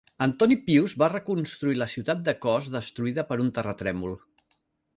Antoní Pius va reconstruir la ciutat de Cos destruïda per un terratrèmol.